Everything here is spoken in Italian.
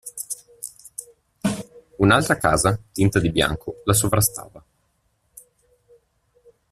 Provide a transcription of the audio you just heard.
Un'altra casa, tinta di bianco, la sovrastava.